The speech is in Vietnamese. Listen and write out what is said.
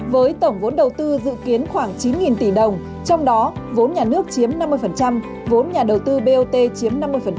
với tổng vốn đầu tư dự kiến khoảng chín tỷ đồng trong đó vốn nhà nước chiếm năm mươi vốn nhà đầu tư bot chiếm năm mươi